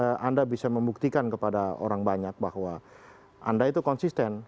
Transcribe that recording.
sehingga anda bisa membuktikan kepada orang banyak bahwa anda itu konsisten